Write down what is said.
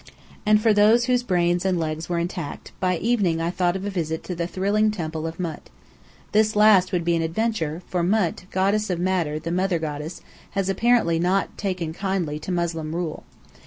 And for those whose brains and legs were intact, by evening I thought of a visit to the thrilling temple of Mût. This last would be an adventure; for Mût, goddess of matter, the Mother goddess, has apparently not taken kindly to Moslem rule.